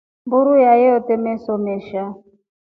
Mburu iya yete meso mesha.